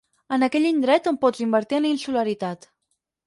En aquell indret on pots invertir en insularitat.